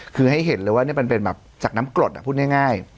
คือให้เห็นเลยว่านี่มันเป็นแบบจากน้ำกรดพูดง่าย